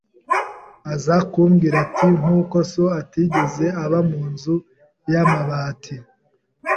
aza kumbwira ati nkuko so atigeze aba mu nzu y’amabati